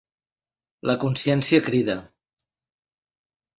La consciència crida.